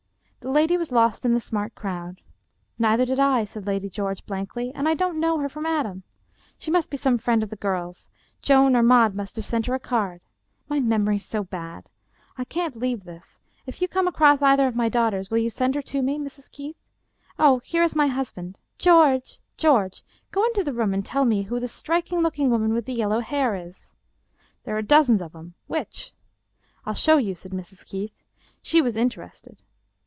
The lady was lost in the smart crowd. "Neither did I," said Lady George blankly, " and I don't know her from Adam. She must be some friend of the girls'. Joan or Maud must have sent her a card — ^my memory is so bad. I can't leave this ; if you come across either of my daughters, will you send her to me, Mrs. Keith ? Oh, here is my husband. George — George — go into the room and tell me who the striking looking woman with the yellow hair is." " There are dozens of 'em. Which ?"" I'll show you," said Mrs. Keith. She was interested.